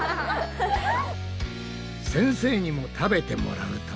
先生にも食べてもらうと。